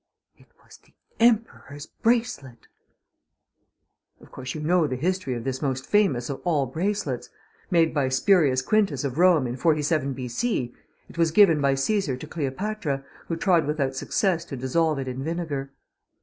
It was the Emperor's Bracelet! Of course you know the history of this most famous of all bracelets. Made by Spurius Quintus of Rome in 47 B.C., it was given by Cæsar to Cleopatra, who tried without success to dissolve it in vinegar.